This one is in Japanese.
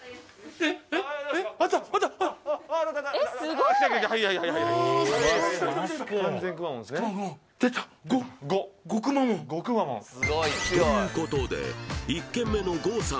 えっえっえっということで１軒目の郷さん